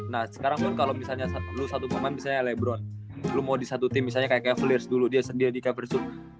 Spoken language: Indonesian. nah sekarang kan kalo misalnya lu satu pemain misalnya lebron lu mau di satu tim misalnya kaya cavaliers dulu dia sedia di cavaliers dulu